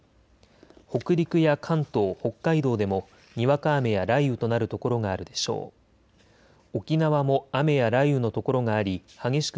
北陸や関東、北海道でもにわか雨や雷雨となる所があるでしょう。